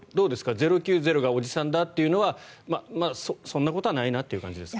０９０がおじさんだってのはそんなことはないなって感じですか？